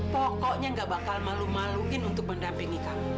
pokoknya gak bakal malu maluin untuk mendampingi kamu